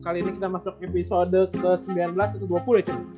kali ini kita masuk episode ke sembilan belas ke dua puluh ya